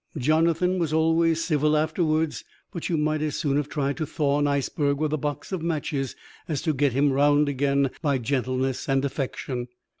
Jonathan was always civil afterwards; but you might as soon have tried to thaw an iceberg with a box of matches as to get him round again by gentleness and affection.